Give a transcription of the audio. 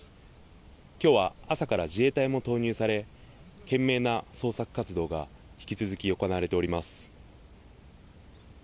今日は朝から自衛隊も投入され懸命な捜索活動が引き続き行われております。